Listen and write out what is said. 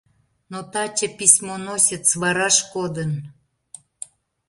Но таче письмоносец вараш кодын.